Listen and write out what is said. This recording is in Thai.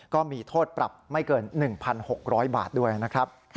ก็มีโทษปรับไม่เกิน๑๖๐๐บาทด้วยนะครับ